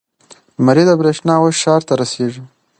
لمریزه برېښنا اوس ښار ته رسیږي.